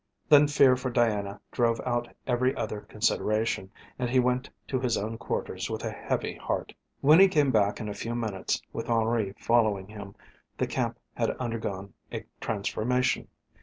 Then fear for Diana drove out every other consideration, and he went to his own quarters with a heavy heart. When he came back in a few minutes with Henri following him the camp had undergone a transformation.